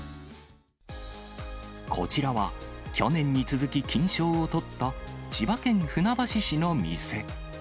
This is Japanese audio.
こちらは、去年に続き金賞を取った、千葉県船橋市の店。